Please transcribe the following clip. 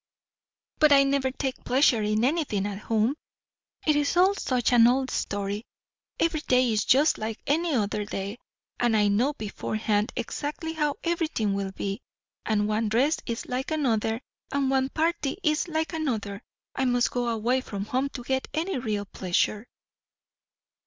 "But I never take pleasure in anything at home. It is all such an old story. Every day is just like any other day, and I know beforehand exactly how everything will be; and one dress is like another, and one party is like another. I must go away from home to get any real pleasure."